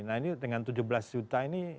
nah ini dengan tujuh belas juta ini